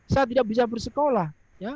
saya tidak bisa bersekolah